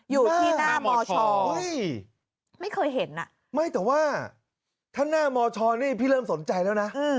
อยู่ที่หน้ามชไม่เคยเห็นอ่ะไม่แต่ว่าถ้าหน้ามชนี่พี่เริ่มสนใจแล้วนะ